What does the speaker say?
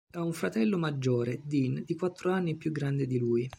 Ha un fratello maggiore, Dean, di quattro anni più grande di lui.